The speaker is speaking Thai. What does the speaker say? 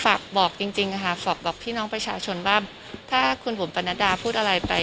ฝากบอกจริงค่ะพี่น้องประชาชนว่าถ้าคุณผมเป็นประณดาพูดอะไรไป